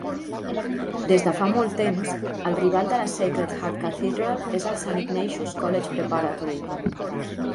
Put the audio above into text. Des de fa molt temps, el rival de la Sacred Heart Cathedral és el Saint Ignatius College Preparatory.